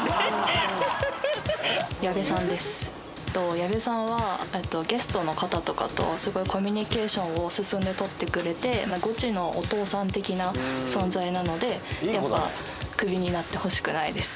矢部さんは、ゲストの方とかとすごいコミュニケーションを進んで取ってくれて、ゴチのお父さん的な存在なので、やっぱ、クビになってほしくないです。